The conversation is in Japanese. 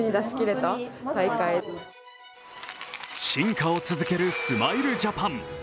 進化を続けるスマイルジャパン。